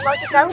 mau di jauh